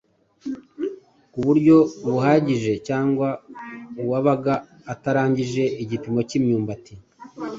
ku buryo buhagije cyangwa uwabaga atarangije igipimo cy’imyumbati.